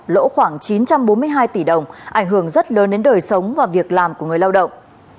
lỗ khoảng chín trăm bốn mươi hai tỷ đồng ảnh hưởng rất lớn đến đời sống và việc làm của người lao động